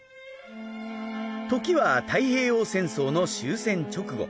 時は太平洋戦争の終戦直後。